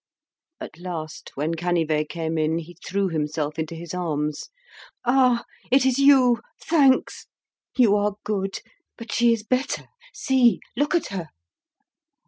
At last, when Canivet came in, he threw himself into his arms. "Ah! it is you. Thanks! You are good! But she is better. See! look at her."